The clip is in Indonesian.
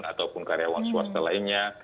ataupun karyawan swasta lainnya